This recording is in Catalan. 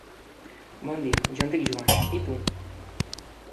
Bon dia, jo em dic Joana; i tu?